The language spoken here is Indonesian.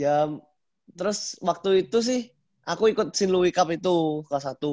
ya terus waktu itu sih aku ikut silui cup itu kelas satu